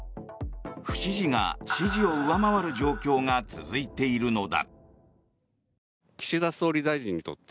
不支持が支持を上回る状況が続いているのだ。